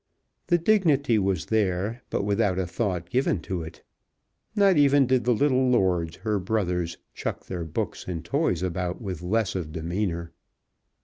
The dignity was there, but without a thought given to it. Not even did the little lords, her brothers, chuck their books and toys about with less idea of demeanour.